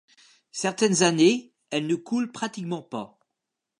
Certaines années, elle ne coule pratiquement pas.